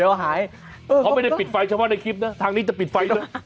เขาไม่ได้ปิดไฟเฉพาะในคลิปนะ